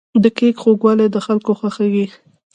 د کیک خوږوالی د خلکو خوښیږي.